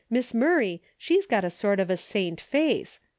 Miss Murray, she's got a sort of a saint face.